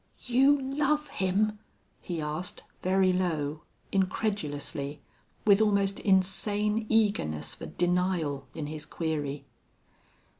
"You love him?" he asked, very low, incredulously, with almost insane eagerness for denial in his query.